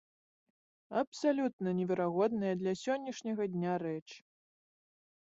Абсалютна неверагодная для сённяшняга дня рэч.